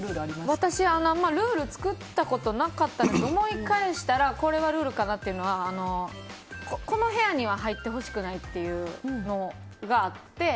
私、あんまルール作ったことなかったんですが、思い返したらこれはルールかなというのはこの部屋には入ってほしくないっていうのがあって。